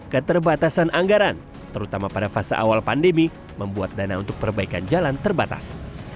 keterbatasan anggaran terutama pada fase awal pandemi membuat dana untuk perbaikan jalan terbatas